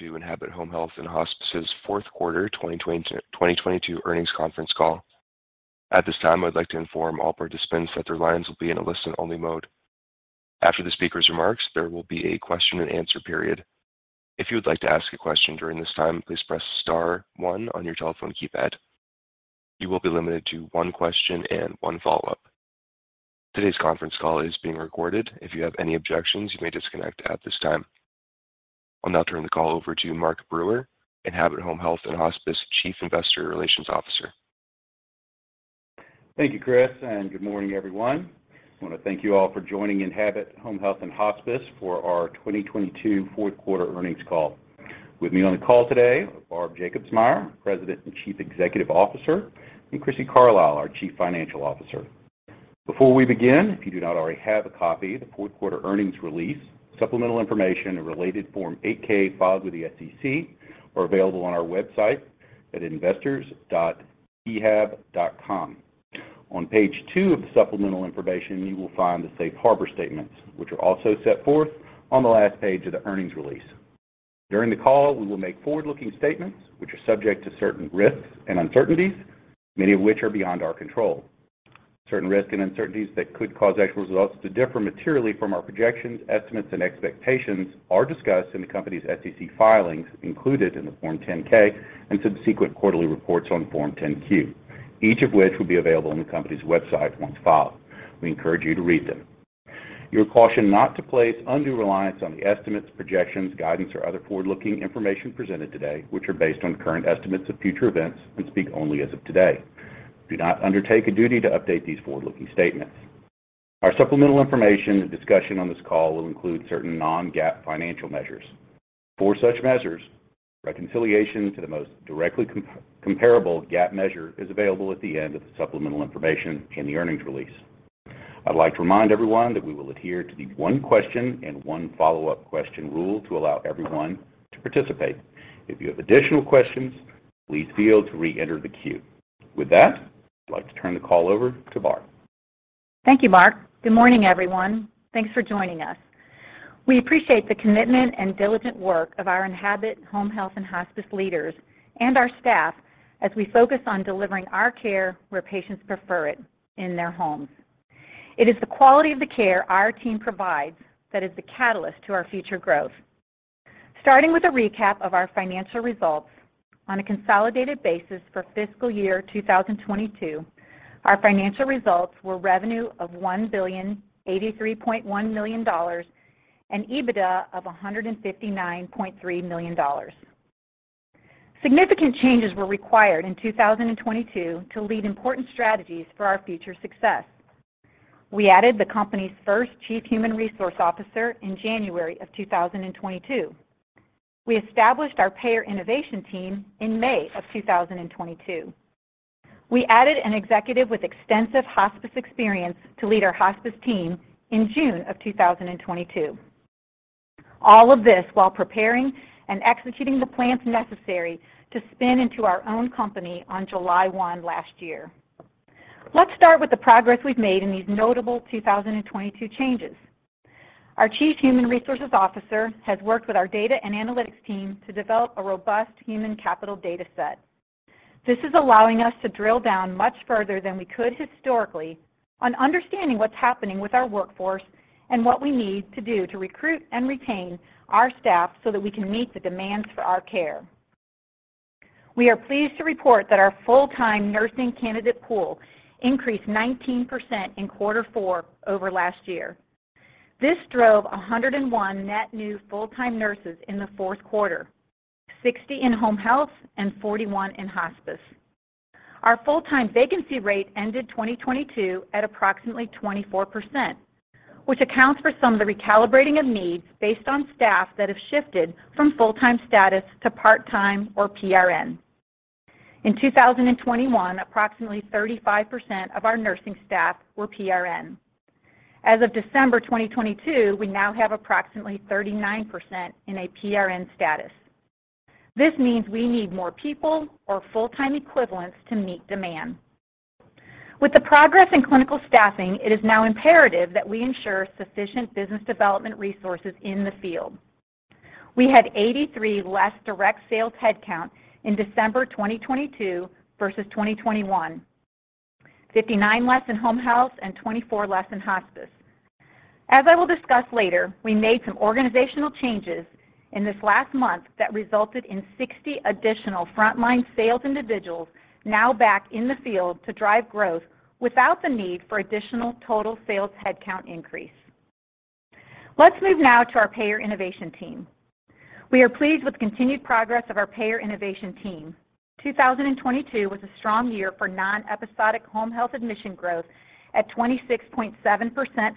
To Enhabit Home Health & Hospice's fourth quarter 2022 earnings conference call. At this time, I would like to inform all participants that their lines will be in a listen-only mode. After the speaker's remarks, there will be a question-and-answer period. If you would like to ask a question during this time, please press star one on your telephone keypad. You will be limited to one question and one follow-up. Today's conference call is being recorded. If you have any objections, you may disconnect at this time. I'll now turn the call over to Mark Brewer, Enhabit Home Health & Hospice Chief Investor Relations Officer. Thank you, Chris. Good morning, everyone. I want to thank you all for joining Enhabit Home Health & Hospice for our 2022 fourth quarter earnings call. With me on the call today are Barb Jacobsmeyer, President and Chief Executive Officer, and Crissy Carlisle, our Chief Financial Officer. Before we begin, if you do not already have a copy, the fourth quarter earnings release, supplemental information, and related Form 8-K filed with the SEC are available on our website at investors.ehab.com. On page two of the supplemental information, you will find the safe harbor statements, which are also set forth on the last page of the earnings release. During the call, we will make forward-looking statements which are subject to certain risks and uncertainties, many of which are beyond our control. Certain risks and uncertainties that could cause actual results to differ materially from our projections, estimates, and expectations are discussed in the company's SEC filings included in the Form 10-K and subsequent quarterly reports on Form 10-Q, each of which will be available on the company's website once filed. We encourage you to read them. You are cautioned not to place undue reliance on the estimates, projections, guidance, or other forward-looking information presented today, which are based on current estimates of future events and speak only as of today. We do not undertake a duty to update these forward-looking statements. Our supplemental information and discussion on this call will include certain Non-GAAP financial measures. For such measures, reconciliation to the most directly comparable GAAP measure is available at the end of the supplemental information in the earnings release. I'd like to remind everyone that we will adhere to the one question and one follow-up question rule to allow everyone to participate. If you have additional questions, please feel to reenter the queue. I'd like to turn the call over to Barb. Thank you, Mark. Good morning, everyone. Thanks for joining us. We appreciate the commitment and diligent work of our Enhabit Home Health & Hospice leaders and our staff as we focus on delivering our care where patients prefer it, in their homes. It is the quality of the care our team provides that is the catalyst to our future growth. Starting with a recap of our financial results, on a consolidated basis for fiscal year 2022, our financial results were revenue of $1,083.1 million and EBITDA of $159.3 million. Significant changes were required in 2022 to lead important strategies for our future success. We added the company's first Chief Human Resource Officer in January of 2022. We established our payer innovation team in May of 2022. We added an executive with extensive hospice experience to lead our hospice team in June of 2022. All of this while preparing and executing the plans necessary to spin into our own company on July 1 last year. Let's start with the progress we've made in these notable 2022 changes. Our chief human resources officer has worked with our data and analytics team to develop a robust human capital data set. This is allowing us to drill down much further than we could historically on understanding what's happening with our workforce and what we need to do to recruit and retain our staff so that we can meet the demands for our care. We are pleased to report that our full-time nursing candidate pool increased 19% in quarter four over last year. This drove 101 net new full-time nurses in the fourth quarter, 60 in home health and 41 in hospice. Our full-time vacancy rate ended 2022 at approximately 24%, which accounts for some of the recalibrating of needs based on staff that have shifted from full-time status to part-time or PRN. In 2021, approximately 35% of our nursing staff were PRN. As of December 2022, we now have approximately 39% in a PRN status. This means we need more people or full-time equivalents to meet demand. With the progress in clinical staffing, it is now imperative that we ensure sufficient business development resources in the field. We had 83 less direct sales headcount in December 2022 versus 2021, 59 less in home health and 24 less in hospice. As I will discuss later, we made some organizational changes in this last month that resulted in 60 additional frontline sales individuals now back in the field to drive growth without the need for additional total sales headcount increase. Let's move now to our payer innovation team. We are pleased with the continued progress of our payer innovation team. 2022 was a strong year for non-episodic home health admission growth at 26.7%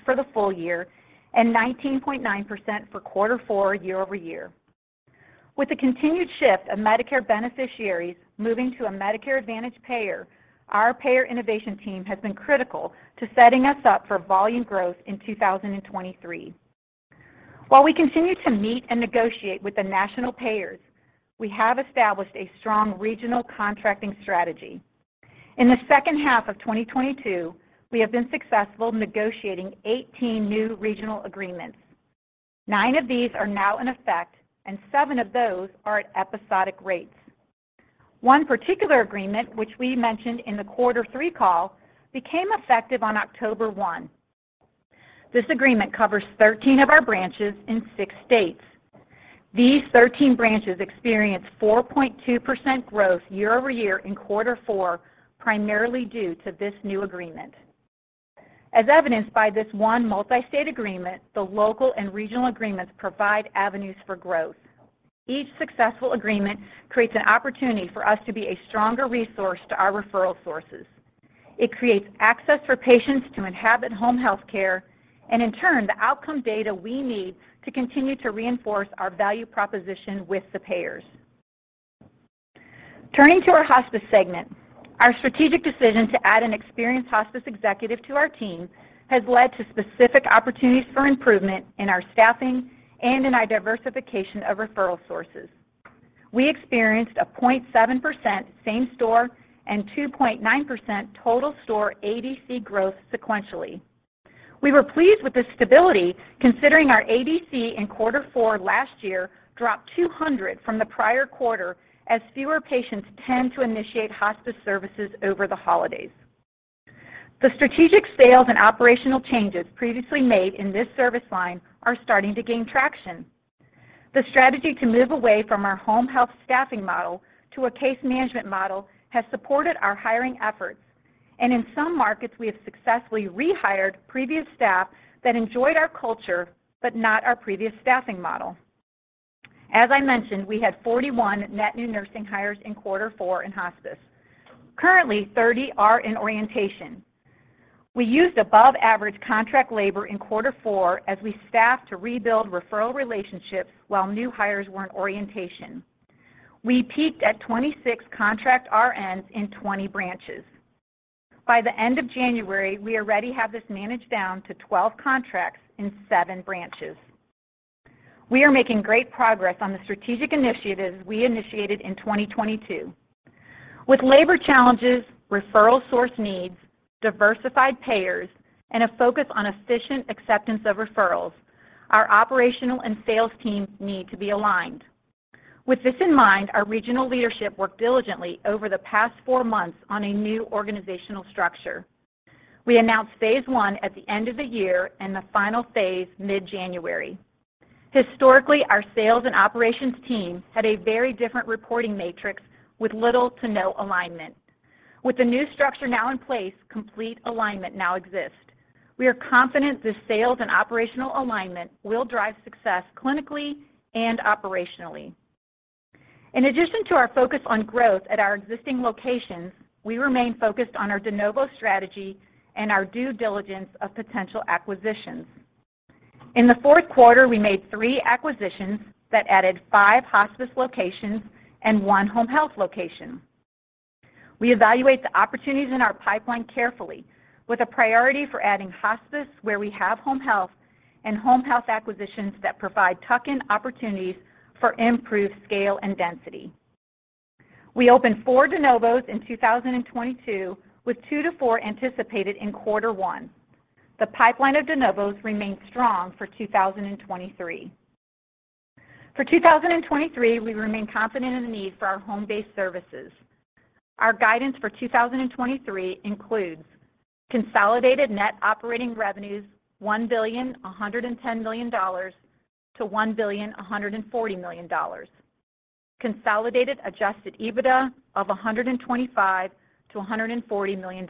for the full year and 19.9% for Q4 year-over-year. With the continued shift of Medicare beneficiaries moving to a Medicare Advantage payer, our payer innovation team has been critical to setting us up for volume growth in 2023. While we continue to meet and negotiate with the national payers, we have established a strong regional contracting strategy. In the second half of 2022, we have been successful negotiating 18 new regional agreements. Nine of these are now in effect, and seven of those are at episodic rates. One particular agreement, which we mentioned in the quarter three call, became effective on October one. This agreement covers 13 of our branches in six states. These 13 branches experienced 4.2% growth year-over-year in quarter four, primarily due to this new agreement. As evidenced by this one multi-state agreement, the local and regional agreements provide avenues for growth. Each successful agreement creates an opportunity for us to be a stronger resource to our referral sources. It creates access for patients to Enhabit home health care and in turn, the outcome data we need to continue to reinforce our value proposition with the payers. Turning to our hospice segment, our strategic decision to add an experienced hospice executive to our team has led to specific opportunities for improvement in our staffing and in our diversification of referral sources. We experienced a 0.7% same store and 2.9% total store ADC growth sequentially. We were pleased with the stability considering our ADC in quarter four last year dropped 200 from the prior quarter as fewer patients tend to initiate hospice services over the holidays. The strategic sales and operational changes previously made in this service line are starting to gain traction. The strategy to move away from our home health staffing model to a case management model has supported our hiring efforts, and in some markets, we have successfully rehired previous staff that enjoyed our culture but not our previous staffing model. As I mentioned, we had 41 net new nursing hires in quarter four in hospice. Currently, 30 are in orientation. We used above average contract labor in quarter four as we staffed to rebuild referral relationships while new hires were in orientation. We peaked at 26 contract RNs in 20 branches. By the end of January, we already have this managed down to 12 contracts in seven branches. We are making great progress on the strategic initiatives we initiated in 2022. With labor challenges, referral source needs, diversified payers, and a focus on efficient acceptance of referrals, our operational and sales teams need to be aligned. With this in mind, our regional leadership worked diligently over the past four months on a new organizational structure. We announced phase one at the end of the year and the final phase mid-January. Historically, our sales and operations teams had a very different reporting matrix with little to no alignment. With the new structure now in place, complete alignment now exists. We are confident this sales and operational alignment will drive success clinically and operationally. In addition to our focus on growth at our existing locations, we remain focused on our de novo strategy and our due diligence of potential acquisitions. In the fourth quarter, we made three acquisitions that added five hospice locations and one home health location. We evaluate the opportunities in our pipeline carefully with a priority for adding hospice where we have home health and home health acquisitions that provide tuck-in opportunities for improved scale and density. We opened four de novos in 2022, with two-four anticipated in quarter one. The pipeline of de novos remains strong for 2023. For 2023, we remain confident in the need for our home-based services. Our guidance for 2023 includes consolidated net operating revenues $1,110 million-$1,140 million. Consolidated adjusted EBITDA of $125 million-$140 million.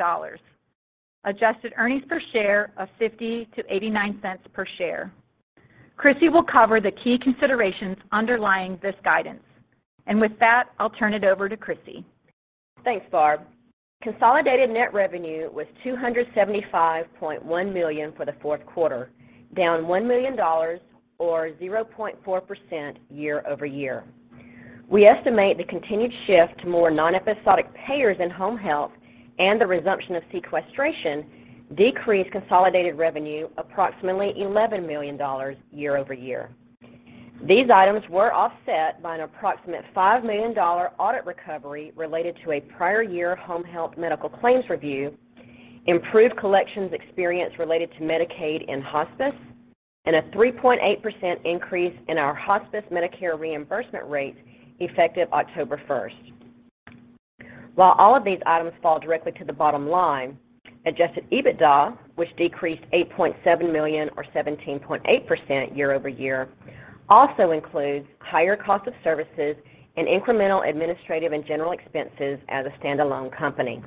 Adjusted earnings per share of $0.50-$0.89 per share. Crissy will cover the key considerations underlying this guidance. With that, I'll turn it over to Crissy. Thanks, Barb. Consolidated net revenue was $275.1 million for the fourth quarter, down $1 million or 0.4% year-over-year. We estimate the continued shift to more non-episodic payers in home health and the resumption of sequestration decreased consolidated revenue approximately $11 million year-over-year. These items were offset by an approximate $5 million audit recovery related to a prior-year home health medical claims review, improved collections experience related to Medicaid and hospice, and a 3.8% increase in our hospice Medicare reimbursement rates effective October 1st. While all of these items fall directly to the bottom line, adjusted EBITDA, which decreased $8.7 million or 17.8% year-over-year, also includes higher cost of services and incremental administrative and general expenses as a standalone company.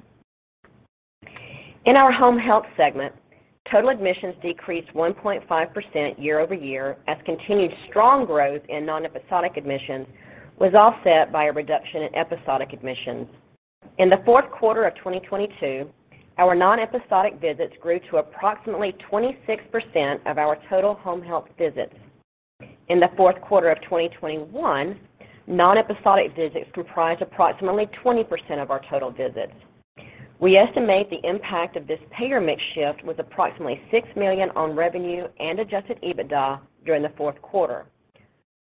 In our home health segment, total admissions decreased 1.5% year-over-year as continued strong growth in non-episodic admissions was offset by a reduction in episodic admissions. In the fourth quarter of 2022, our non-episodic visits grew to approximately 26% of our total home health visits. In the fourth quarter of 2021, non-episodic visits comprised approximately 20% of our total visits. We estimate the impact of this payer mix shift was approximately $6 million on revenue and adjusted EBITDA during the fourth quarter.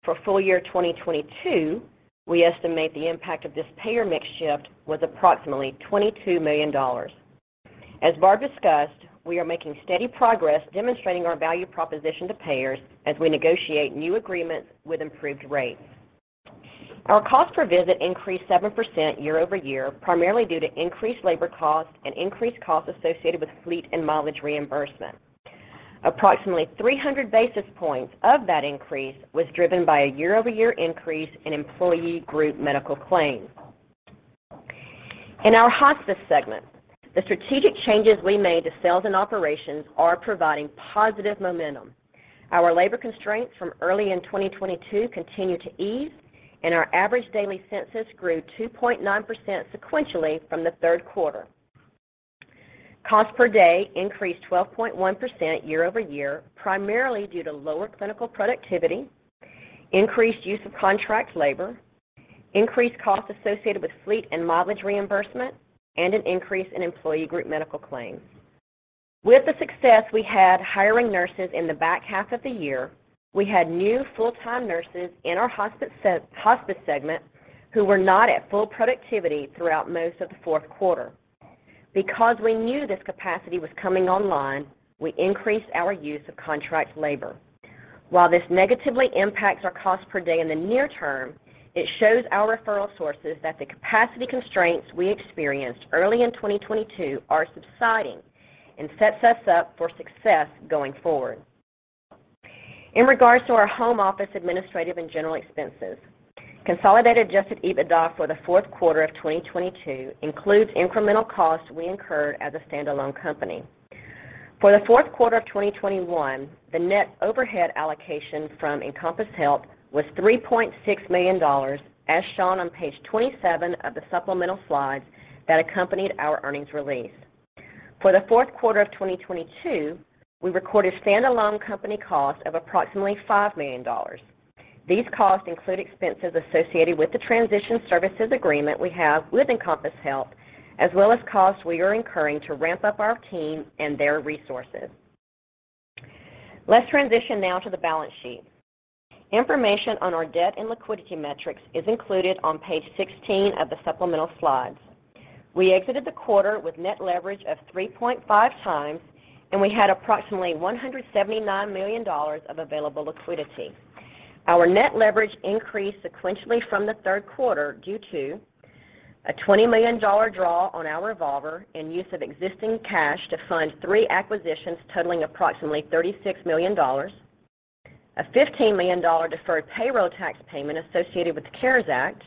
For full year 2022, we estimate the impact of this payer mix shift was approximately $22 million. As Barb discussed, we are making steady progress demonstrating our value proposition to payers as we negotiate new agreements with improved rates. Our cost per visit increased 7% year-over-year, primarily due to increased labor costs and increased costs associated with fleet and mileage reimbursement. Approximately 300 basis points of that increase was driven by a year-over-year increase in employee group medical claims. In our hospice segment, the strategic changes we made to sales and operations are providing positive momentum. Our labor constraints from early in 2022 continue to ease, and our average daily census grew 2.9% sequentially from the Q3. Cost per day increased 12.1% year-over-year, primarily due to lower clinical productivity, increased use of contract labor, increased costs associated with fleet and mileage reimbursement, and an increase in employee group medical claims. With the success we had hiring nurses in the back half of the year, we had new full-time nurses in our hospice segment who were not at full productivity throughout most of the fourth quarter. Because we knew this capacity was coming online, we increased our use of contract labor. While this negatively impacts our cost per day in the near term, it shows our referral sources that the capacity constraints we experienced early in 2022 are subsiding and sets us up for success going forward. In regards to our home office administrative and general expenses, consolidated adjusted EBITDA for the fourth quarter of 2022 includes incremental costs we incurred as a standalone company. For the fourth quarter of 2021, the net overhead allocation from Encompass Health was $3.6 million, as shown on page 27 of the supplemental slides that accompanied our earnings release. For the fourth quarter of 2022, we recorded standalone company costs of approximately $5 million. These costs include expenses associated with the transition services agreement we have with Encompass Health, as well as costs we are incurring to ramp up our team and their resources. Let's transition now to the balance sheet. Information on our debt and liquidity metrics is included on page 16 of the supplemental slides. We exited the quarter with net leverage of 3.5 times, and we had approximately $179 million of available liquidity. Our net leverage increased sequentially from the third quarter due to a $20 million draw on our revolver and use of existing cash to fund three acquisitions totaling approximately $36 million, a $15 million deferred payroll tax payment associated with the CARES Act,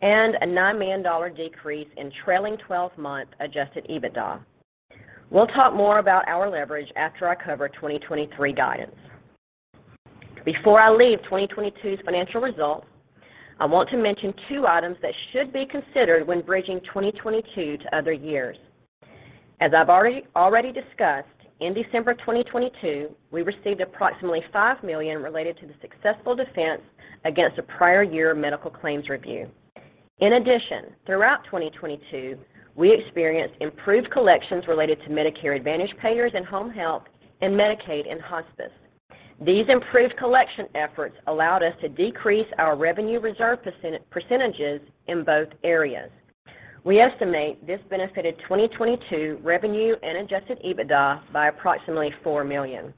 and a $9 million decrease in trailing-twelve-month adjusted EBITDA. We'll talk more about our leverage after I cover 2023 guidance. Before I leave 2022's financial results, I want to mention two items that should be considered when bridging 2022 to other years. As I've already discussed, in December 2022, we received approximately $5 million related to the successful defense against a prior year medical claims review. Throughout 2022, we experienced improved collections related to Medicare Advantage payers in home health and Medicaid in hospice. These improved collection efforts allowed us to decrease our revenue reserve percentages in both areas. We estimate this benefited 2022 revenue and adjusted EBITDA by approximately $4 million.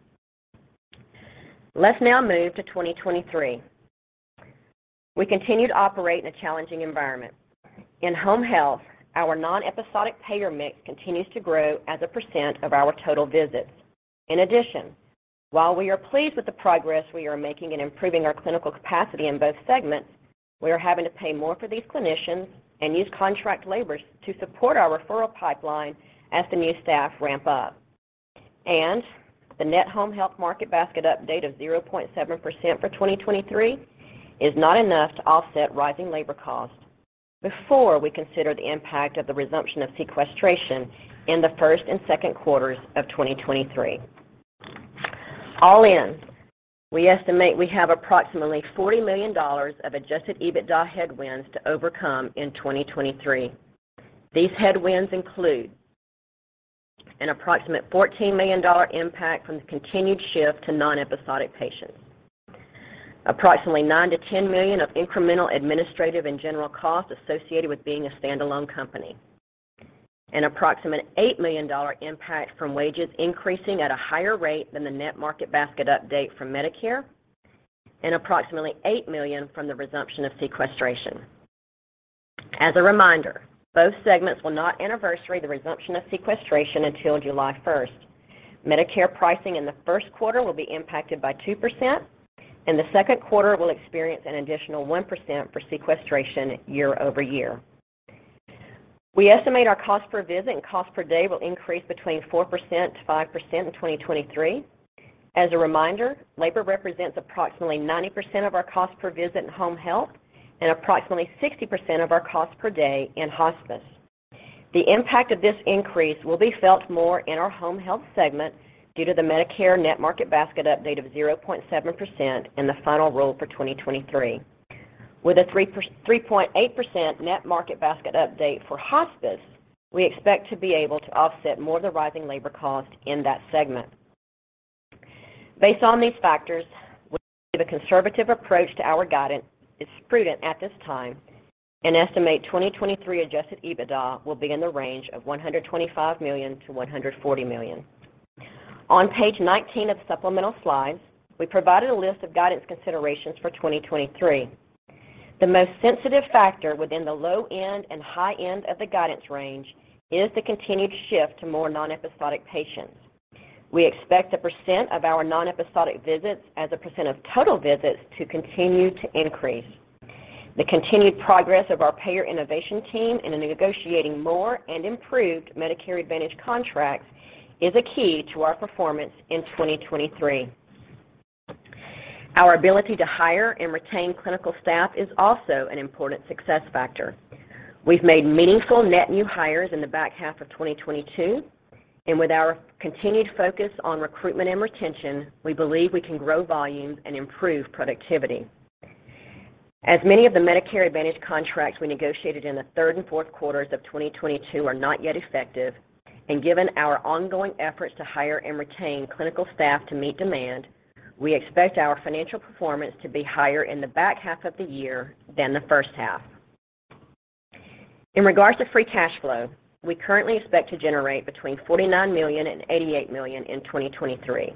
Let's now move to 2023. We continue to operate in a challenging environment. In home health, our non-episodic payer mix continues to grow as a % of our total visits. While we are pleased with the progress we are making in improving our clinical capacity in both segments, we are having to pay more for these clinicians and use contract laborers to support our referral pipeline as the new staff ramp up. The net home health market basket update of 0.7% for 2023 is not enough to offset rising labor costs before we consider the impact of the resumption of sequestration in the first and second quarters of 2023. All in, we estimate we have approximately $40 million of adjusted EBITDA headwinds to overcome in 2023. These headwinds include an approximate $14 million impact from the continued shift to non-episodic patients. Approximately $9 million-$10 million of incremental administrative and general costs associated with being a standalone company. An approximate $8 million impact from wages increasing at a higher rate than the net market basket update from Medicare. Approximately $8 million from the resumption of sequestration. As a reminder, both segments will not anniversary the resumption of sequestration until July first. Medicare pricing in the first quarter will be impacted by 2%, and the second quarter will experience an additional 1% for sequestration year-over-year. We estimate our cost per visit and cost per day will increase between 4%-5% in 2023. As a reminder, labor represents approximately 90% of our cost per visit in home health and approximately 60% of our cost per day in hospice. The impact of this increase will be felt more in our home health segment due to the Medicare net market basket update of 0.7% in the final rule for 2023. With a 3.8% net market basket update for hospice, we expect to be able to offset more of the rising labor cost in that segment. Based on these factors, we believe a conservative approach to our guidance is prudent at this time and estimate 2023 adjusted EBITDA will be in the range of $125 million-$140 million. On page 19 of supplemental slides, we provided a list of guidance considerations for 2023. The most sensitive factor within the low end and high end of the guidance range is the continued shift to more non-episodic patients. We expect the % of our non-episodic visits as a % of total visits to continue to increase. The continued progress of our payer innovation team in negotiating more and improved Medicare Advantage contracts is a key to our performance in 2023. Our ability to hire and retain clinical staff is also an important success factor. We've made meaningful net new hires in the back half of 2022. With our continued focus on recruitment and retention, we believe we can grow volumes and improve productivity. As many of the Medicare Advantage contracts we negotiated in the third and fourth quarters of 2022 are not yet effective, given our ongoing efforts to hire and retain clinical staff to meet demand, we expect our financial performance to be higher in the back half of the year than the first half. In regards to free cash flow, we currently expect to generate between $49 million and $88 million in 2023.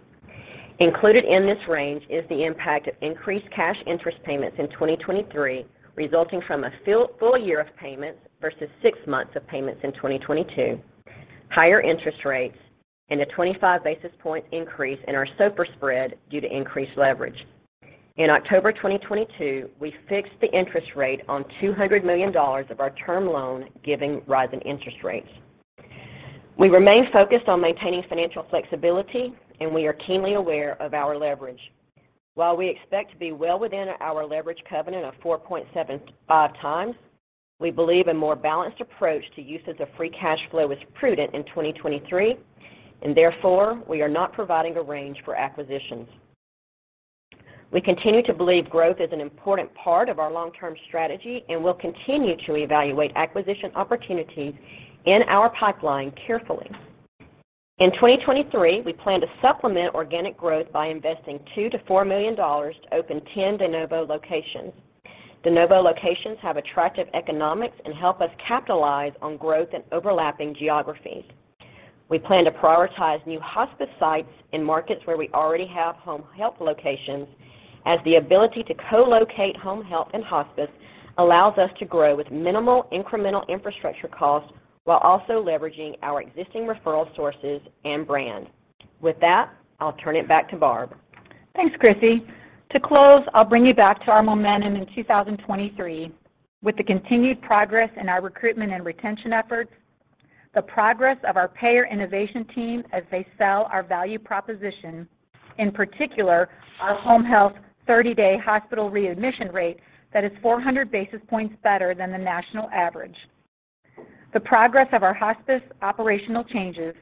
Included in this range is the impact of increased cash interest payments in 2023, resulting from a full year of payments versus six months of payments in 2022, higher interest rates, and a 25 basis point increase in our SOFR spread due to increased leverage. In October 2022, we fixed the interest rate on $200 million of our term loan giving rise in interest rates. We remain focused on maintaining financial flexibility, and we are keenly aware of our leverage. While we expect to be well within our leverage covenant of 4.75 times, we believe a more balanced approach to uses of free cash flow is prudent in 2023, and therefore, we are not providing a range for acquisitions. We continue to believe growth is an important part of our long-term strategy, and we'll continue to evaluate acquisition opportunities in our pipeline carefully. In 2023, we plan to supplement organic growth by investing $2 million-$4 million to open 10 de novo locations. De novo locations have attractive economics and help us capitalize on growth in overlapping geographies. We plan to prioritize new hospice sites in markets where we already have home health locations, as the ability to co-locate home health and hospice allows us to grow with minimal incremental infrastructure costs while also leveraging our existing referral sources and brand. With that, I'll turn it back to Barb. Thanks, Crissy. To close, I'll bring you back to our momentum in 2023. With the continued progress in our recruitment and retention efforts, the progress of our payer innovation team as they sell our value proposition, in particular our home health 30-day hospital readmission rate that is 400 basis points better than the national average, the progress of our hospice operational changes,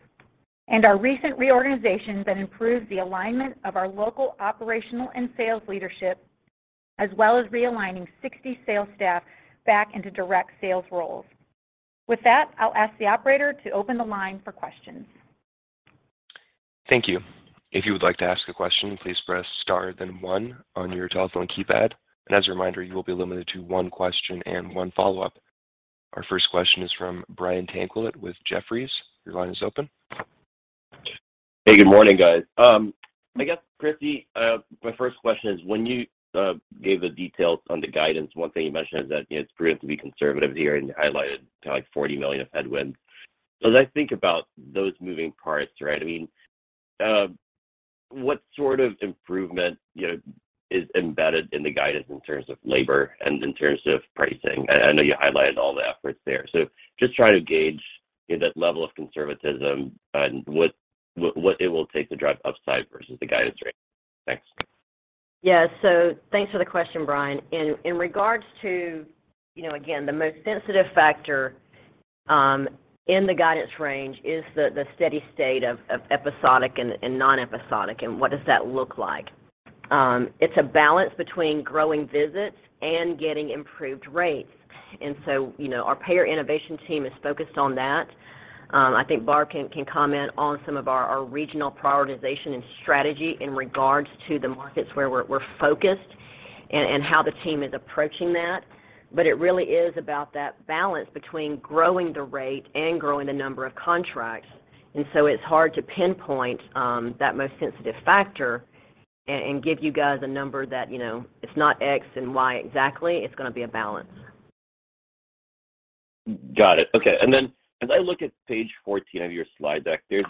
and our recent reorganization that improved the alignment of our local operational and sales leadership, as well as realigning 60 sales staff back into direct sales roles. With that, I'll ask the operator to open the line for questions. Thank you. If you would like to ask a question, please press star then one on your telephone keypad. As a reminder, you will be limited to one question and one follow-up. Our first question is from Brian Tanquilut with Jefferies. Your line is open. Hey, good morning, guys. I guess, Crissy, my first question is when you gave the details on the guidance, one thing you mentioned is that, you know, it's prudent to be conservative here and highlighted, you know, like $40 million of headwinds. As I think about those moving parts, right? I mean, what sort of improvement, you know, is embedded in the guidance in terms of labor and in terms of pricing? I know you highlighted all the efforts there. Just trying to gauge, you know, that level of conservatism and what it will take to drive upside versus the guidance range? Thanks. Thanks for the question, Brian. In regards to, you know, again, the most sensitive factor in the guidance range is the steady state of episodic and non-episodic, and what does that look like? It's a balance between growing visits and getting improved rates. Our payer innovation team is focused on that. I think Barb can comment on some of our regional prioritization and strategy in regards to the markets where we're focused and how the team is approaching that. It really is about that balance between growing the rate and growing the number of contracts. It's hard to pinpoint that most sensitive factor and give you guys a number that, you know, it's not X and Y exactly. It's gonna be a balance. Got it. Okay. As I look at page 14 of your slide deck, there's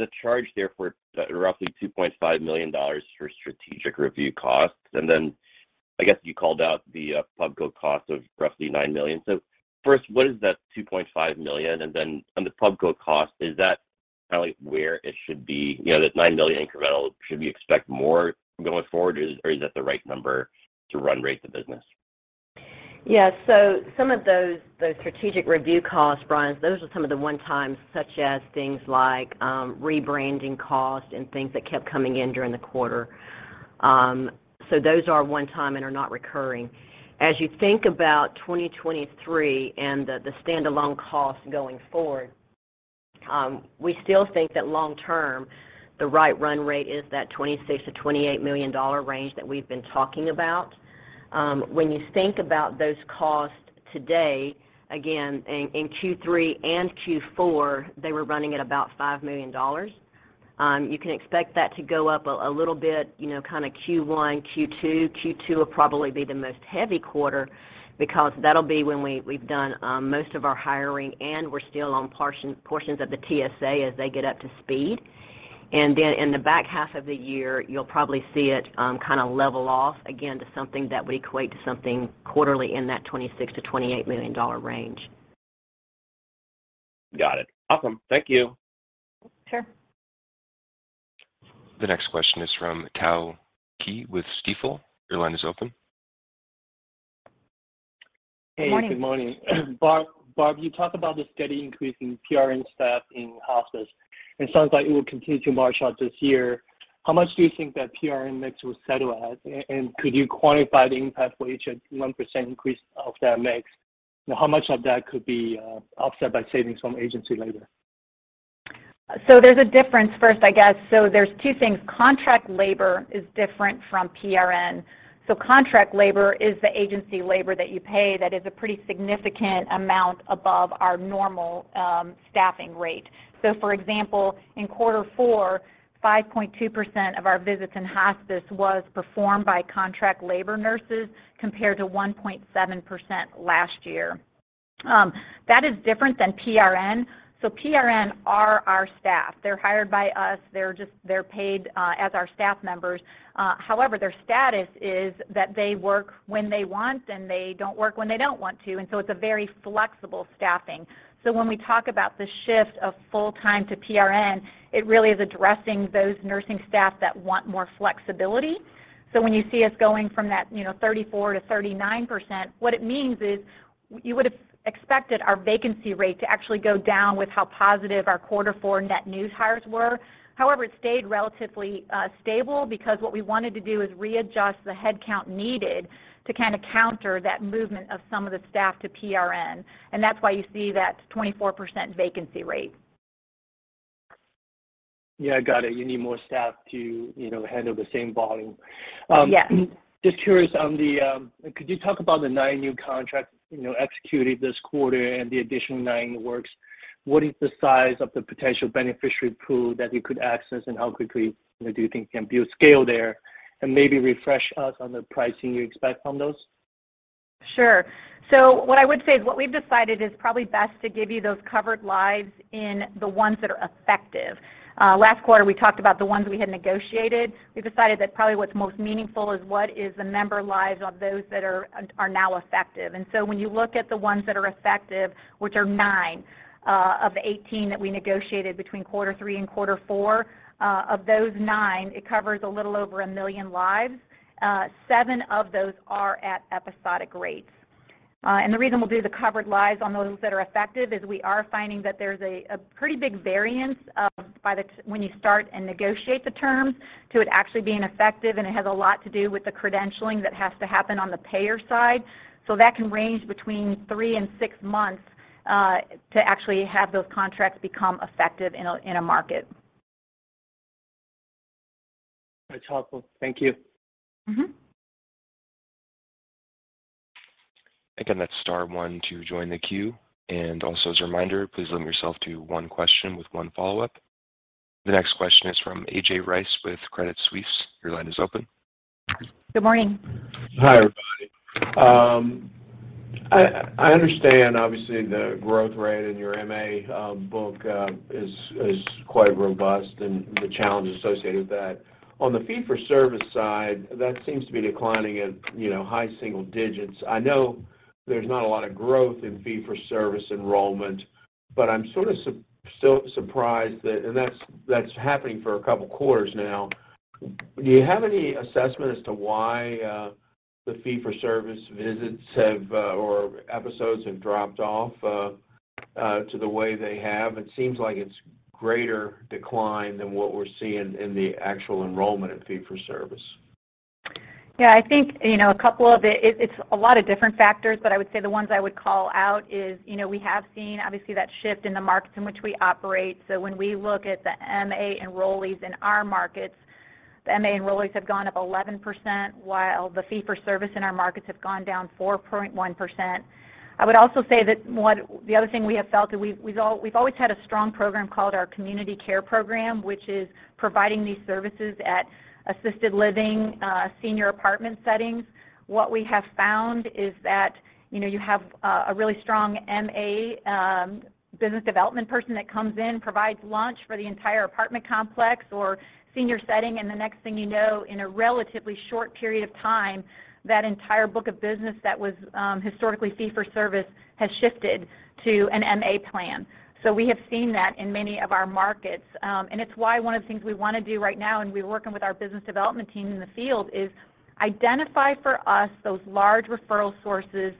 a charge there for roughly $2.5 million for strategic review costs. I guess you called out the go-live cost of roughly $9 million. First, what is that $2.5 million? On the go-live cost, is that kinda like where it should be? You know, that $9 million incremental, should we expect more going forward or is that the right number to run rate the business? Yeah. Some of those strategic review costs, Brian, those are some of the one-time, such as things like rebranding costs and things that kept coming in during the quarter. Those are one-time and are not recurring. As you think about 2023 and the standalone costs going forward, we still think that long term, the right run rate is that $26 million-$28 million range that we've been talking about. When you think about those costs today, again, in Q3 and Q4, they were running at about $5 million. You can expect that to go up a little bit, you know, kinda Q1, Q2. Q2 will probably be the most heavy quarter because that'll be when we've done most of our hiring, and we're still on portions of the TSA as they get up to speed. Then in the back half of the year, you'll probably see it kinda level off again to something that would equate to something quarterly in that $26 million-$28 million range. Got it. Awesome. Thank you. Sure. The next question is from Tao Qiu with Stifel. Your line is open. Morning. Hey, good morning. Barb, you talk about the steady increase in PRN staff in hospice, and it sounds like it will continue to march out this year. How much do you think that PRN mix will settle at? Could you quantify the impact for each 1% increase of that mix? How much of that could be offset by savings from agency labor? There's a difference first, I guess. There's two things. Contract labor is different from PRN. Contract labor is the agency labor that you pay that is a pretty significant amount above our normal staffing rate. For example, in quarter four, 5.2% of our visits in hospice was performed by contract labor nurses, compared to 1.7% last year. That is different than PRN. PRN are our staff. They're hired by us. They're paid as our staff members. However, their status is that they work when they want, and they don't work when they don't want to, and so it's a very flexible staffing. When we talk about the shift of full-time to PRN, it really is addressing those nursing staff that want more flexibility. When you see us going from that, you know, 34%-39%, what it means is you would have expected our vacancy rate to actually go down with how positive our Q4 net new hires were. However, it stayed relatively stable because what we wanted to do is readjust the headcount needed to kinda counter that movement of some of the staff to PRN. That's why you see that 24% vacancy rate. Yeah, got it. You need more staff to, you know, handle the same volume. Yes. Just curious on the, could you talk about the nine new contracts, you know, executed this quarter and the additional nine in the works? What is the size of the potential beneficiary pool that you could access, and how quickly do you think you can build scale there? Maybe refresh us on the pricing you expect from those. Sure. What I would say is what we've decided is probably best to give you those covered lives in the ones that are effective. Last quarter, we talked about the ones we had negotiated. We've decided that probably what's most meaningful is what is the member lives of those that are now effective. When you look at the ones that are effective, which are nine of 18 that we negotiated between quarter three and quarter four, of those nine, it covers a little over 1 million lives. seven of those are at episodic rates. The reason we'll do the covered lives on those that are effective is we are finding that there's a pretty big variance of when you start and negotiate the terms to it actually being effective, and it has a lot to do with the credentialing that has to happen on the payer side. That can range between three and six months to actually have those contracts become effective in a market. That's helpful. Thank you. Again, that's star one to join the queue. Also as a reminder, please limit yourself to one question with one follow-up. The next question is from AJ Rice with Credit Suisse. Your line is open. Good morning. Hi, everybody. I understand obviously the growth rate in your MA book is quite robust and the challenges associated with that. On the fee for service side, that seems to be declining at, you know, high single digits. I know there's not a lot of growth in fee for service enrollment, but I'm sort of surprised that. That's happening for a couple quarters now. Do you have any assessment as to why the fee for service visits have or episodes have dropped off to the way they have? It seems like it's greater decline than what we're seeing in the actual enrollment in fee for service. I think, you know, a couple of it. It's a lot of different factors, but I would say the ones I would call out is, you know, we have seen obviously that shift in the markets in which we operate. When we look at the MA enrollees in our markets, the MA enrollees have gone up 11%, while the fee for service in our markets have gone down 4.1%. I would also say that the other thing we have felt that we've always had a strong program called our Community Care Program, which is providing these services at assisted living, senior apartment settings. What we have found is that, you know, you have a really strong MA business development person that comes in, provides lunch for the entire apartment complex or senior setting, and the next thing you know, in a relatively short period of time, that entire book of business that was historically fee-for-service has shifted to an MA plan. We have seen that in many of our markets, and it's why one of the things we wanna do right now, and we're working with our business development team in the field, is identify for us those large referral sources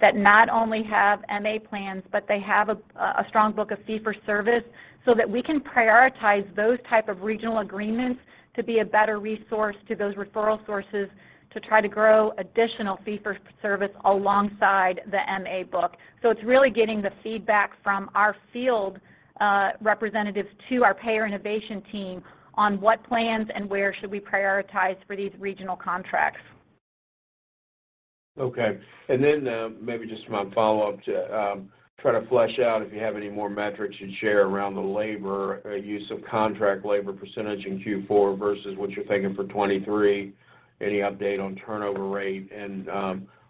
that not only have MA plans, but they have a strong book of fee-for-service so that we can prioritize those type of regional agreements to be a better resource to those referral sources to try to grow additional fee-for-service alongside the MA book. It's really getting the feedback from our field representatives to our payer innovation team on what plans and where should we prioritize for these regional contracts. Okay. Maybe just my follow-up to try to flesh out if you have any more metrics you'd share around the labor, use of contract labor % in Q4 versus what you're thinking for 23. Any update on turnover rate?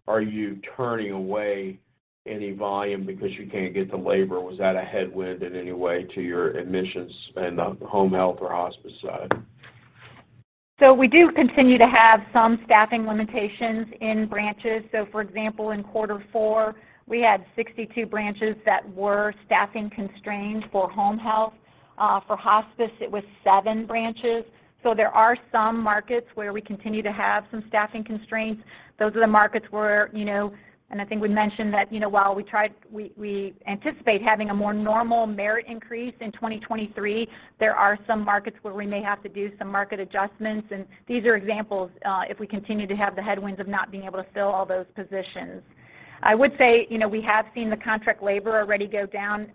Are you turning away any volume because you can't get the labor? Was that a headwind in any way to your admissions in the home health or hospice side? We do continue to have some staffing limitations in branches. For example, in quarter four, we had 62 branches that were staffing constrained for home health. For hospice, it was seven branches. There are some markets where we continue to have some staffing constraints. Those are the markets where, you know. I think we mentioned that, you know, while we anticipate having a more normal merit increase in 2023, there are some markets where we may have to do some market adjustments, and these are examples, if we continue to have the headwinds of not being able to fill all those positions. I would say, you know, we have seen the contract labor already go down.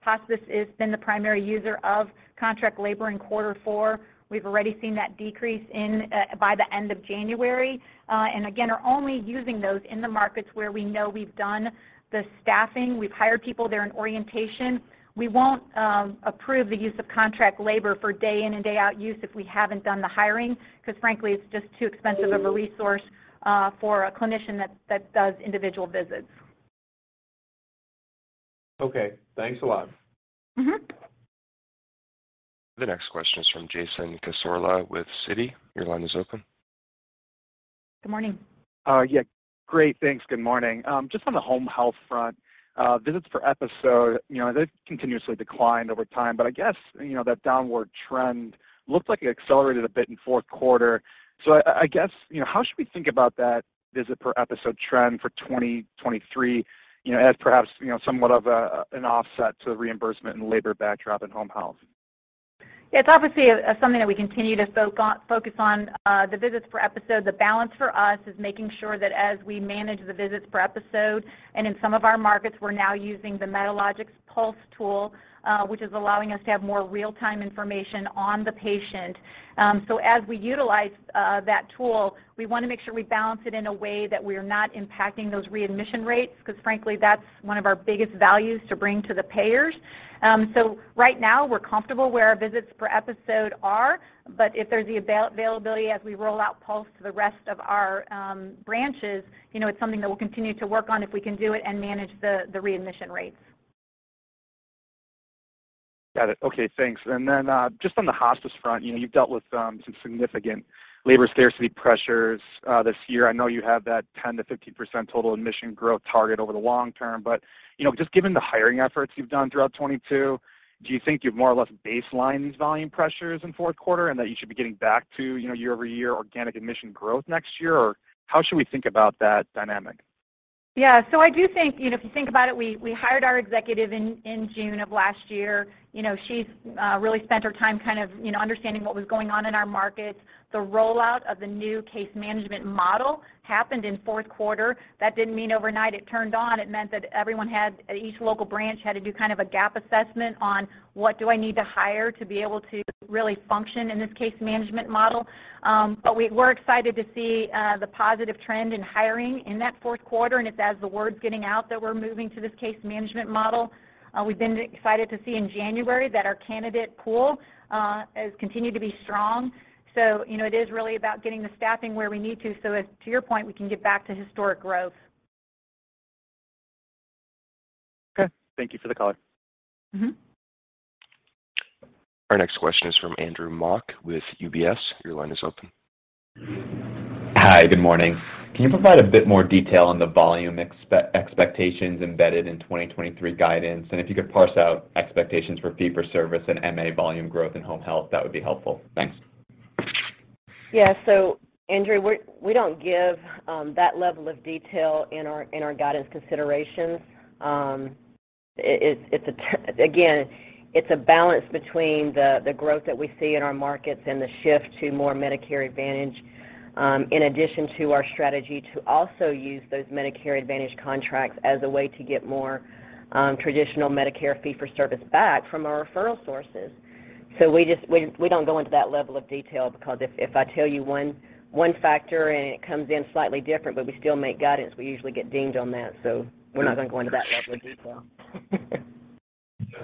Hospice has been the primary user of contract labor in quarter four. We've already seen that decrease in, by the end of January, and again, are only using those in the markets where we know we've done the staffing. We've hired people, they're in orientation. We won't approve the use of contract labor for day in and day out use if we haven't done the hiring because frankly, it's just too expensive of a resource, for a clinician that does individual visits. Okay. Thanks a lot. The next question is from Jason Cassorla with Citi. Your line is open. Good morning. Yeah. Great. Thanks. Good morning. Just on the home health front, visits per episode, you know, they've continuously declined over time, but I guess, you know, that downward trend looks like it accelerated a bit in fourth quarter. I guess, you know, how should we think about that visit per episode trend for 2023, you know, as perhaps, you know, somewhat of a, an offset to the reimbursement and labor backdrop in home health? Yeah, it's obviously something that we continue to focus on, the visits per episode. The balance for us is making sure that as we manage the visits per episode, and in some of our markets, we're now using the Medalogix Pulse tool, which is allowing us to have more real-time information on the patient. As we utilize that tool, we wanna make sure we balance it in a way that we're not impacting those readmission rates because frankly, that's one of our biggest values to bring to the payers. Right now we're comfortable where our visits per episode are, but if there's the availability as we roll out Pulse to the rest of our branches, you know, it's something that we'll continue to work on if we can do it and manage the readmission rates. Got it. Okay, thanks. Just on the hospice front, you know, you've dealt with some significant labor scarcity pressures this year. I know you have that 10%-15% total admission growth target over the long term. You know, just given the hiring efforts you've done throughout 2022, do you think you've more or less baselined these volume pressures in fourth quarter and that you should be getting back to, you know, year-over-year organic admission growth next year? How should we think about that dynamic? I do think, you know, if you think about it, we hired our executive in June of last year. You know, she's really spent her time kind of, you know, understanding what was going on in our markets. The rollout of the new case management model happened in fourth quarter. That didn't mean overnight it turned on. It meant that each local branch had to do kind of a gap assessment on what do I need to hire to be able to really function in this case management model. We're excited to see the positive trend in hiring in that fourth quarter, and it's as the word's getting out that we're moving to this case management model. We've been excited to see in January that our candidate pool has continued to be strong. You know, it is really about getting the staffing where we need to, so as to your point, we can get back to historic growth. Okay. Thank you for the color. Our next question is from Andrew Mok with UBS. Your line is open. Hi. Good morning. Can you provide a bit more detail on the volume expectations embedded in 2023 guidance? If you could parse out expectations for fee-for-service and MA volume growth in home health, that would be helpful. Thanks. Andrew, we don't give that level of detail in our, in our guidance considerations. Again, it's a balance between the growth that we see in our markets and the shift to more Medicare Advantage, in addition to our strategy to also use those Medicare Advantage contracts as a way to get more traditional Medicare fee-for-service back from our referral sources. We don't go into that level of detail because if I tell you one factor, and it comes in slightly different, but we still make guidance, we usually get dinged on that, we're not gonna go into that level of detail.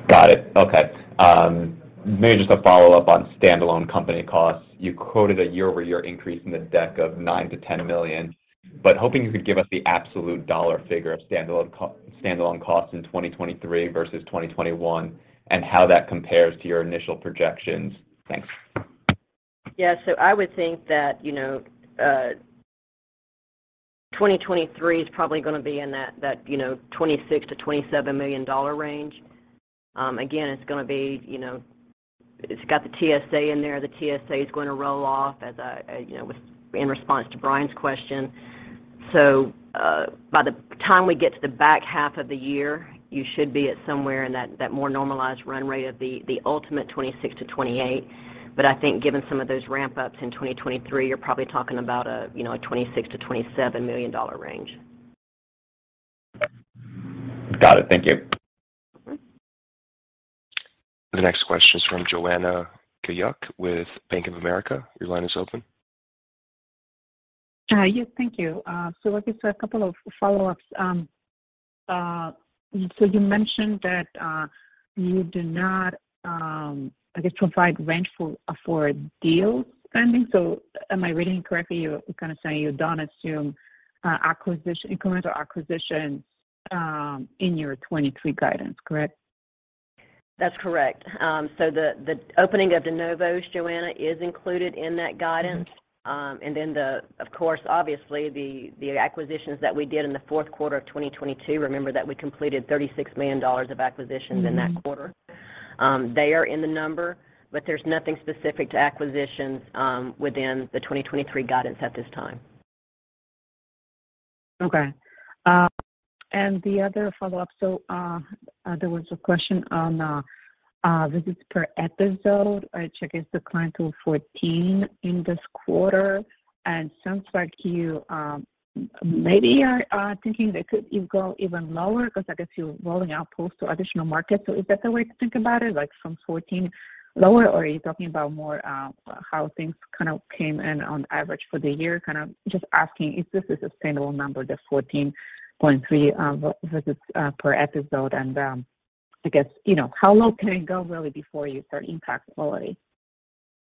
Got it. Okay. Maybe just a follow-up on standalone company costs. You quoted a year-over-year increase in the deck of $9 million-$10 million, hoping you could give us the absolute dollar figure of standalone costs in 2023 versus 2021 and how that compares to your initial projections. Thanks. Yeah. I would think that, you know. 2023 is probably gonna be in that, you know, $26 million-$27 million range. Again, it's gonna be, you know, it's got the TSA in there. The TSA is gonna roll off as a, you know, in response to Brian's question. By the time we get to the back half of the year, you should be at somewhere in that more normalized run rate of the ultimate $26 million-$28 million. I think given some of those ramp-ups in 2023, you're probably talking about a, you know, a $26 million-$27 million range. Got it. Thank you. The next question is from Joanna Gajuk with Bank of America. Your line is open. Yes. Thank you. I guess a couple of follow-ups. You mentioned that, you do not, I guess, provide rent for a deal spending. Am I reading correctly, you're kinda saying you don't assume, acquisition, incremental acquisitions, in your 23 guidance, correct? That's correct. the opening of de novos, Joanna, is included in that guidance. Of course, obviously, the acquisitions that we did in the fourth quarter of 2022, remember that we completed $36 million of acquisitions in that quarter. They are in the number, but there's nothing specific to acquisitions, within the 2023 guidance at this time. Okay. The other follow-up. There was a question on visits per episode, which I guess declined to 14 in this quarter. Sounds like you maybe are thinking that could go even lower because I guess you're rolling out Pulse to additional markets. Is that the way to think about it, like from 14 lower, or are you talking about more how things kind of came in on average for the year? Kind of just asking, is this a sustainable number, the 14.3 visits per episode? I guess, you know, how low can it go really before you start impacting quality?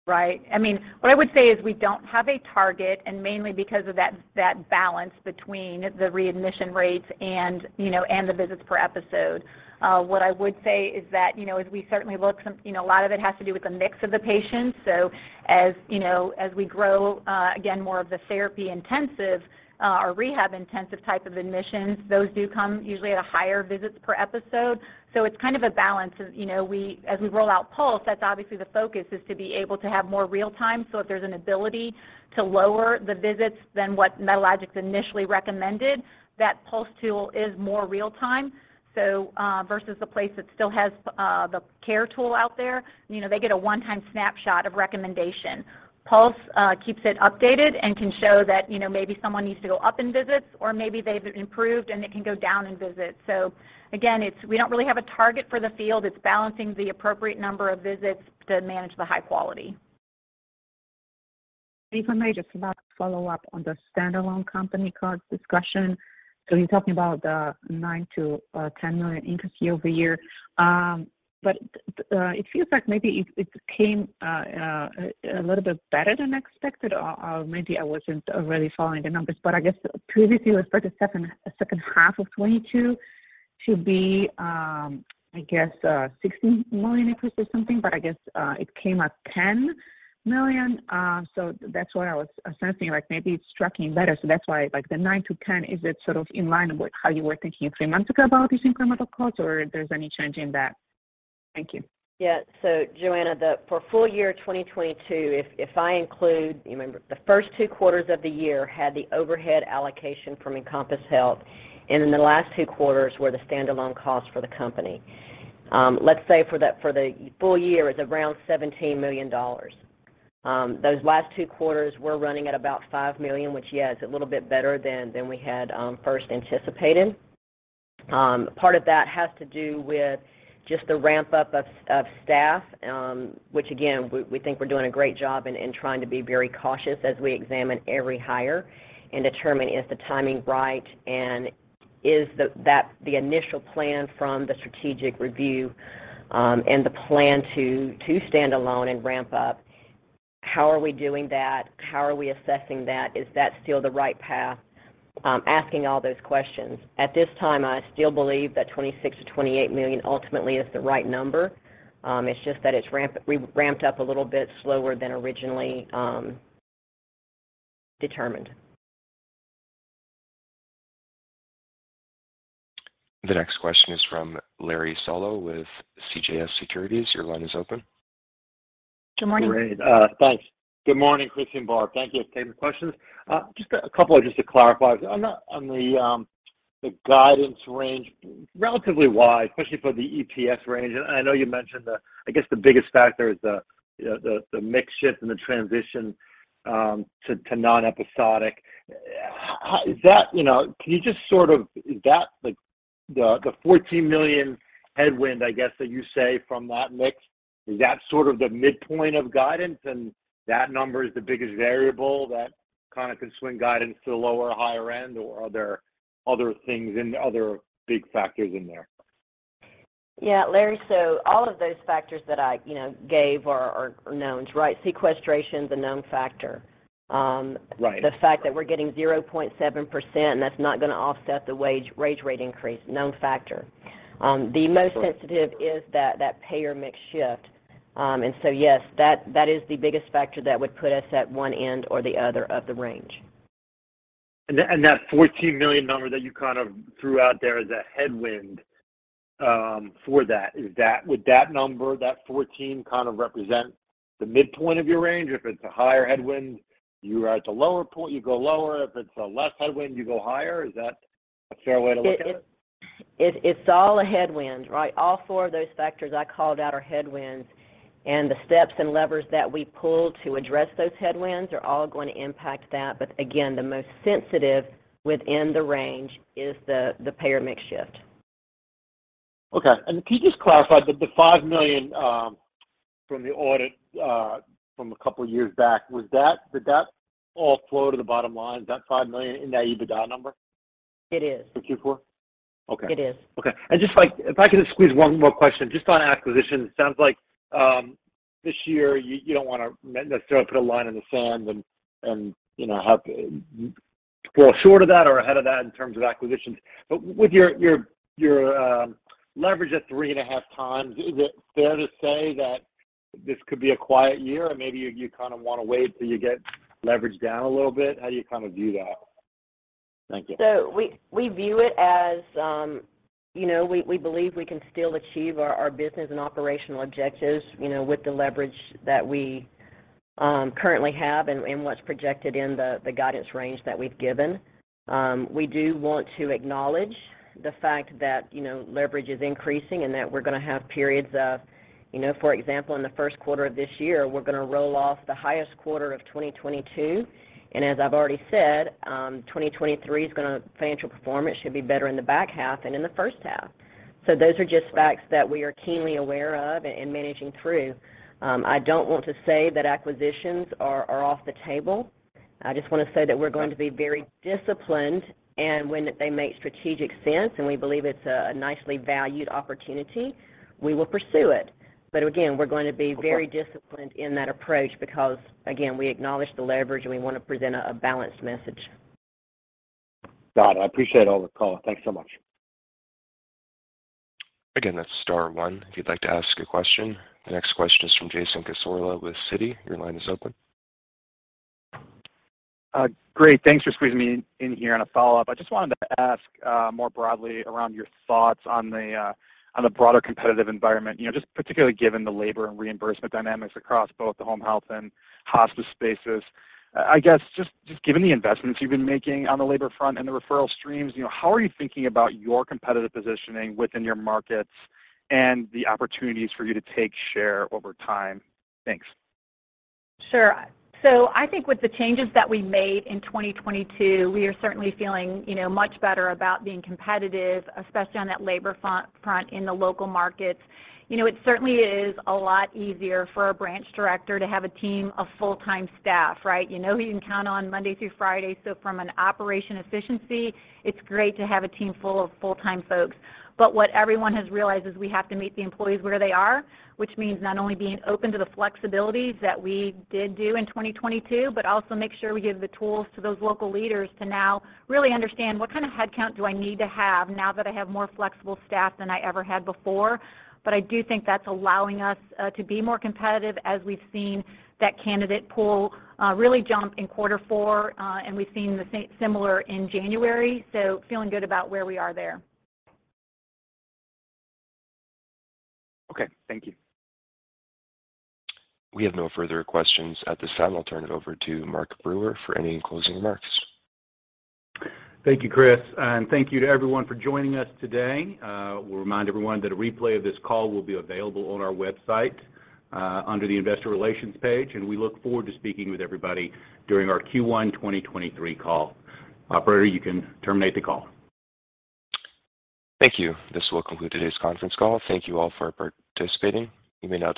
Right. I mean, what I would say is we don't have a target, and mainly because of that balance between the readmission rates and, you know, and the visits per episode. What I would say is that, you know, as we certainly look. You know, a lot of it has to do with the mix of the patients. As, you know, as we grow, again, more of the therapy intensive, or rehab intensive type of admissions, those do come usually at a higher visits per episode. It's kind of a balance of, you know, as we roll out Pulse, that's obviously the focus, is to be able to have more real time. If there's an ability to lower the visits than what Medalogix initially recommended, that Pulse tool is more real time. Versus the place that still has the CARE tool out there, you know, they get a one-time snapshot of recommendation. Pulse keeps it updated and can show that, you know, maybe someone needs to go up in visits or maybe they've improved, and it can go down in visits. Again, it's we don't really have a target for the field. It's balancing the appropriate number of visits to manage the high quality. If I may, just about follow up on the standalone company costs discussion. You're talking about $9 million-$10 million increase year-over-year. It feels like maybe it came a little bit better than expected or maybe I wasn't really following the numbers. I guess previously you expected second half of 2022 to be, I guess, $60 million increase or something, but I guess it came at $10 million. That's why I was sensing like maybe it's tracking better. That's why like the $9 million-$10 million, is it sort of in line with how you were thinking three months ago about these incremental costs or if there's any change in that? Thank you. Joanna, for full year 2022, if I include, you remember, the first 2 quarters of the year had the overhead allocation from Encompass Health, and then the last two quarters were the standalone costs for the company. Let's say for the full year, it's around $17 million. Those last two quarters were running at about $5 million, which, yeah, it's a little bit better than we had first anticipated. Part of that has to do with just the ramp-up of staff, which again, we think we're doing a great job in trying to be very cautious as we examine every hire and determine is the timing right and is the initial plan from the strategic review, and the plan to stand alone and ramp up, how are we doing that? How are we assessing that? Is that still the right path? asking all those questions. At this time, I still believe that $26 million-$28 million ultimately is the right number. It's just that we ramped up a little bit slower than originally determined. The next question is from Larry Solow with CJS Securities. Your line is open. Good morning. Great. Thanks. Good morning, Crissy and Barb. Thank you for taking the questions. Just a couple just to clarify. On the guidance range, relatively wide, especially for the EPS range. I know you mentioned the, I guess, the biggest factor is the mix shift and the transition to non-episodic. You know, can you just sort of? Is that like the $14 million headwind, I guess, that you say from that mix, is that sort of the midpoint of guidance and that number is the biggest variable that kinda could swing guidance to the lower or higher end? Are there other things and other big factors in there? Yeah. Larry, all of those factors that I, you know, gave are knowns, right? sequestration is a known factor. Right. The fact that we're getting 0.7%, that's not gonna offset the wage rate increase, known factor. The most sensitive is that payer mix shift. Yes, that is the biggest factor that would put us at one end or the other of the range. That $14 million number that you kind of threw out there as a headwind, for that, would that number, that 14, kind of represent the midpoint of your range? If it's a higher headwind, you are at the lower point, you go lower. If it's a less headwind, you go higher. Is that a fair way to look at it? It's all a headwind, right? All four of those factors I called out are headwinds. The steps and levers that we pull to address those headwinds are all going to impact that. Again, the most sensitive within the range is the payer mix shift. Okay. Can you just clarify, the $5 million from the audit from a couple of years back, Did that all flow to the bottom line, that $5 million, in the EBITDA number? It is. The Q4? Okay. It is. Okay. Just like, if I could just squeeze one more question just on acquisitions. It sounds like, this year you don't wanna necessarily put a line in the sand and, you know, fall short of that or ahead of that in terms of acquisitions. With your leverage at 3.5x, is it fair to say that this could be a quiet year? Maybe you kind of want to wait till you get leverage down a little bit. How do you kind of view that? Thank you. We, we view it as, you know, we believe we can still achieve our business and operational objectives, you know, with the leverage that we currently have and what's projected in the guidance range that we've given. We do want to acknowledge the fact that, you know, leverage is increasing and that we're gonna have periods of, you know, for example, in the 1st quarter of this year, we're gonna roll off the highest quarter of 2022. As I've already said, 2023 financial performance should be better in the back half than in the first half. Those are just facts that we are keenly aware of and managing through. I don't want to say that acquisitions are off the table. I just wanna say that we're going to be very disciplined, when they make strategic sense and we believe it's a nicely valued opportunity, we will pursue it. Again, we're going to be very disciplined in that approach because, again, we acknowledge the leverage, and we wanna present a balanced message. Got it. I appreciate all the color. Thanks so much. That's star one if you'd like to ask a question. The next question is from Jason Cassorla with Citi. Your line is open. Great. Thanks for squeezing me in here on a follow-up. I just wanted to ask more broadly around your thoughts on the broader competitive environment, you know, just particularly given the labor and reimbursement dynamics across both the home health and hospice spaces. I guess just given the investments you've been making on the labor front and the referral streams, you know, how are you thinking about your competitive positioning within your markets and the opportunities for you to take share over time? Thanks. Sure. I think with the changes that we made in 2022, we are certainly feeling, you know, much better about being competitive, especially on that labor front in the local markets. You know, it certainly is a lot easier for a branch director to have a team of full-time staff, right? You know who you can count on Monday through Friday. From an operation efficiency, it's great to have a team full of full-time folks. What everyone has realized is we have to meet the employees where they are, which means not only being open to the flexibilities that we did do in 2022, but also make sure we give the tools to those local leaders to now really understand what kind of headcount do I need to have now that I have more flexible staff than I ever had before. I do think that's allowing us to be more competitive as we've seen that candidate pool really jump in quarter four and we've seen the same similar in January. Feeling good about where we are there. Okay. Thank you. We have no further questions. At this time, I'll turn it over to Mark Brewer for any closing remarks. Thank you, Chris, and thank you to everyone for joining us today. We'll remind everyone that a replay of this call will be available on our website, under the Investor Relations page, and we look forward to speaking with everybody during our Q1 2023 call. Operator, you can terminate the call. Thank you. This will conclude today's conference call. Thank you all for participating. You may now.